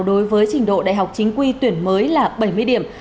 đối với trình độ đại học chính quy tuyển mới là bảy mươi điểm